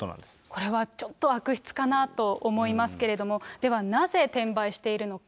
これはちょっと、悪質かなと思いますけれども、ではなぜ転売しているのか。